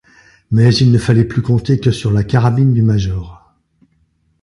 Mais il ne fallait plus compter que sur la carabine du major.